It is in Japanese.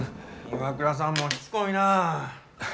岩倉さんもしつこいなぁ。